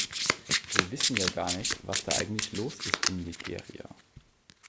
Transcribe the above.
Wir wissen ja gar nicht, was da eigentlich los ist in Nigeria!